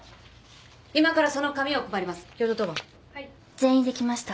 全員できました。